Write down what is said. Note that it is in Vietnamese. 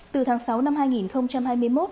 từ tháng sáu năm hai nghìn hai mươi